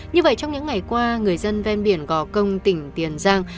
như vậy trong những ngày qua người dân ven biển gò công tỉnh tiền giang